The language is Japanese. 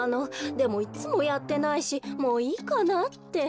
でもいっつもやってないしもういいかなって。